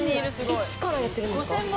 いつからやってるんですか？